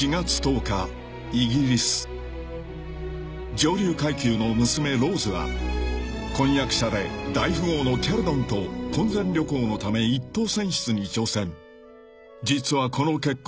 ［上流階級の娘ローズは婚約者で大富豪のキャルドンと婚前旅行のため一等船室に乗船］